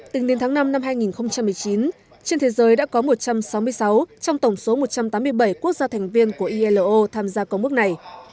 tính đến tháng năm năm hai nghìn một mươi chín trên thế giới đã có một trăm sáu mươi sáu trong tổng số một trăm tám mươi bảy quốc gia thành viên của ilo tham gia công ước này